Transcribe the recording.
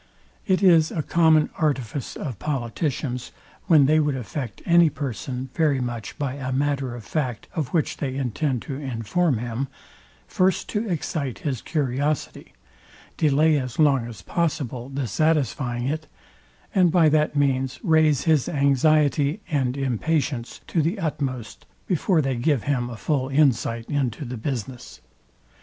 It is a common artifice of politicians, when they would affect any person very much by a matter of fact, of which they intend to inform him, first to excite his curiosity; delay as long as possible the satisfying it; and by that means raise his anxiety and impatience to the utmost, before they give him a full insight into the business.